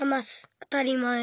あたりまえ。